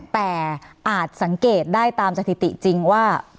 แต่อาจสังเกตได้ตามสถิติจริงว่า